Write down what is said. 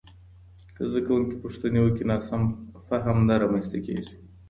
که زده کوونکي پوښتني وکړي، ناسم فهم نه رامنځته کېږي.